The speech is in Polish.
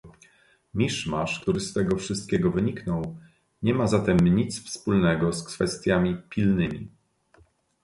Miszmasz, który z tego wszystkiego wyniknął, nie ma zatem nic wspólnego z kwestiami pilnymi